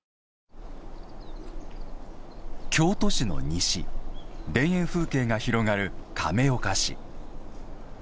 京都市の西田園風景が広がる亀岡市。